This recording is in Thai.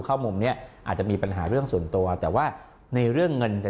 เข้ามุมเนี้ยอาจจะมีปัญหาเรื่องส่วนตัวแต่ว่าในเรื่องเงินจะ